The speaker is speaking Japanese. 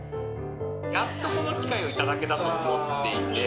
やっとこの機会を頂けたと思っていて。